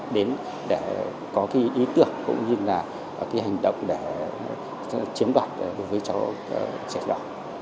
để có ý tưởng cũng như là hành động để chiếm đoạt đối với cháu trẻ nhỏ